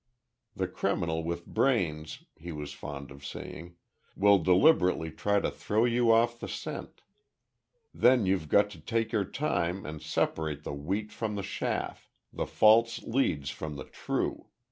"The criminal with brains," he was fond of saying, "will deliberately try to throw you off the scent. Then you've got to take your time and separate the wheat from the chaff the false leads from the true.